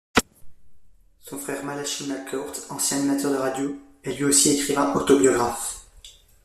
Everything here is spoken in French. Son frère, Malachy McCourt, ancien animateur de radio, est lui aussi écrivain autobiographe.